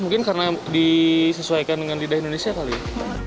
mungkin karena disesuaikan dengan lidah indonesia kali ya